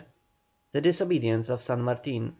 THE DISOBEDIENCE OF SAN MARTIN.